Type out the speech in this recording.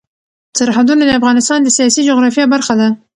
سرحدونه د افغانستان د سیاسي جغرافیه برخه ده.